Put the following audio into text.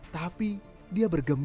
tapi dia bergemi